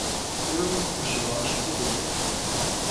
Ur awent-meccḍeɣ acebbub-nwent.